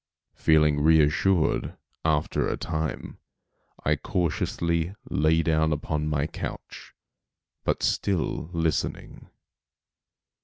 Feeling reassured, after a time, I cautiously lay down upon my couch, but still listening.